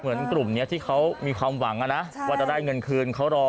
กลุ่มนี้ที่เขามีความหวังนะว่าจะได้เงินคืนเขารอ